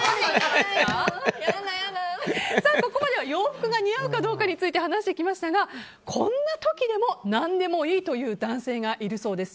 ここまでは洋服が似合うかどうかについて話してきましたがこんな時でも何でもいいという男性がいるそうです。